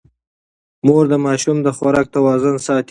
مور د ماشوم د خوراک توازن ساتي.